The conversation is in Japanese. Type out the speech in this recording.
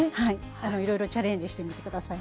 いろいろチャレンジしてみて下さい。